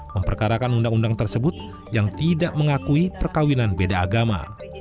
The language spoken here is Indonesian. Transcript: memperkarakan undang undang tersebut yang tidak mengakui perkawinan beda agama